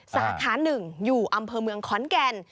สาขา๑อยู่อำเภอเมืองขอนแก่น